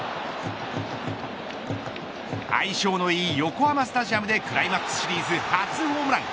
相性のいい横浜スタジアムでクライマックスシリーズ初ホームラン。